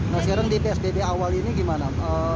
nah sekarang di psbb awal ini gimana